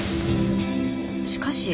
しかし。